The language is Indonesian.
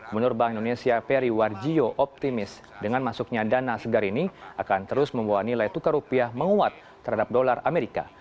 menurut bank indonesia peri warjio optimis dengan masuknya dana segar ini akan terus membawa nilai tukar rupiah menguat terhadap dolar amerika